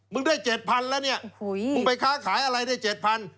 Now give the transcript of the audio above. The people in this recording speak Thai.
มึงได้เจ็ดพันแล้วเนี้ยโอ้โหมึงไปค้าขายอะไรได้เจ็ดพัน